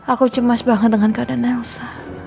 aku cemas banget dengan keadaan delsa